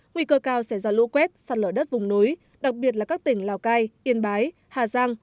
nguy cơ cao sẽ ra lũ quét sạt lở đất vùng núi đặc biệt là các tỉnh lào cai yên bái hà giang